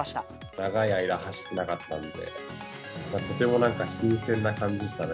長い間、走っていなかったので、とてもなんか、新鮮な感じでしたね。